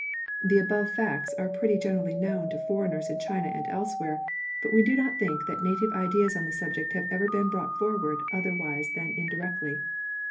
The above facts are pretty generally known to foreigners in China and elsewhere, but we do not think that native ideas on the subject have ever been brought forward otherwise than indirectly.